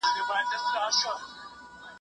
دوی به د سولي پيغام خپور کړي.